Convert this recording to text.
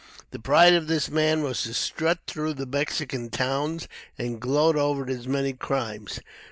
The pride of this man was to strut through the Mexican towns and gloat over his many crimes.